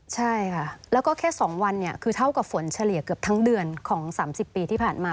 ใช่ค่ะแล้วก็แค่๒วันเนี่ยคือเท่ากับฝนเฉลี่ยเกือบทั้งเดือนของ๓๐ปีที่ผ่านมา